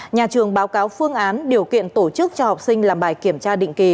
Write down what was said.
nhà trường báo cáo phương án điều kiện tổ chức cho học sinh làm bài kiểm tra định kỳ